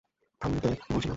থামতে, বলছিনা?